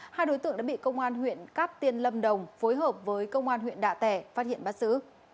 hai đối tượng đã bị công an huyện cát tiên lâm đồng phối hợp với công an huyện đạ tẻ phát hiện bắt giữ